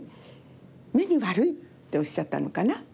「眼に悪い」っておっしゃったのかな。